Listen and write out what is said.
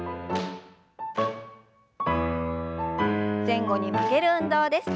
前後に曲げる運動です。